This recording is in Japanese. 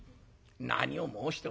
「何を申しておる。